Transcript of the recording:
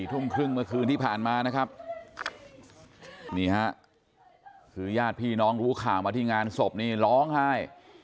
ทุ่มครึ่งเมื่อคืนที่ผ่านมานะครับนี่ฮะคือญาติพี่น้องรู้ข่าวมาที่งานศพนี่ร้องไห้